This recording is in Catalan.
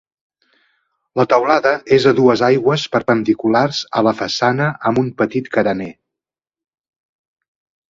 La teulada és a dues aigües perpendiculars a la façana amb un petit carener.